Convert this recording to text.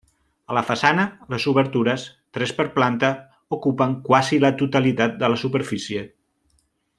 A la façana, les obertures, tres per planta, ocupen quasi la totalitat de la superfície.